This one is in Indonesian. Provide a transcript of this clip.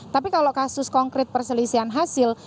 tapi kalau kasus konkret perselisihan hasil